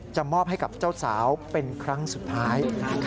มอบให้กับเจ้าสาวเป็นครั้งสุดท้าย